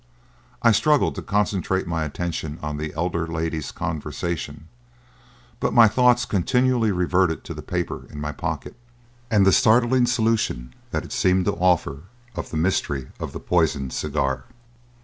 I struggled to concentrate my attention on the elder lady's conversation, but my thoughts continually reverted to the paper in my pocket, and the startling solution that it seemed to offer of the mystery of the poisoned cigar.